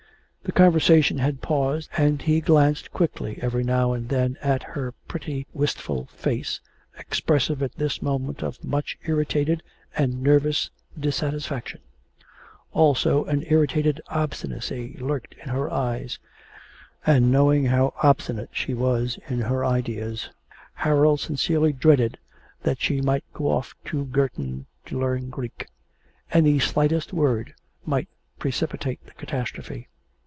The conversation had paused, and he glanced quickly every now and then at her pretty, wistful face, expressive at this moment of much irritated and nervous dissatisfaction; also an irritated obstinacy lurked in her eyes, and, knowing how obstinate she was in her ideas, Harold sincerely dreaded that she might go off to Girton to learn Greek any slightest word might precipitate the catastrophe.